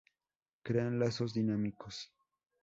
Crean lazos dinámicos.